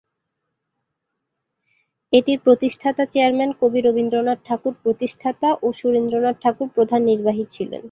এটির প্রতিষ্ঠাতা চেয়ারম্যান কবি রবীন্দ্রনাথ ঠাকুর প্রতিষ্ঠাতা ও সুরেন্দ্রনাথ ঠাকুর প্রধান নির্বাহী ছিলেন।